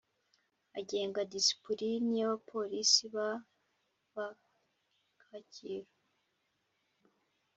agenga disipulini y abapolisi baba kacyiru